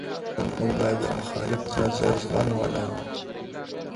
موږ باید د مخالف نظر زغم ولرو.